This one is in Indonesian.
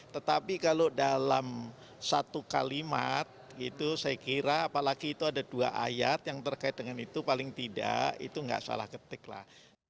tetapi kalau dalam satu kalimat itu saya kira apalagi itu ada dua ayat yang terkait dengan itu paling tidak itu nggak salah ketik lah